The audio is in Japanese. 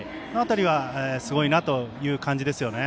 あの辺りはすごいなという感じです。